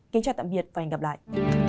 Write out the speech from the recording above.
kính chào tạm biệt và hẹn gặp lại